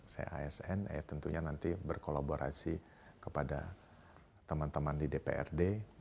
saya asn tentunya nanti berkolaborasi kepada teman teman di dprd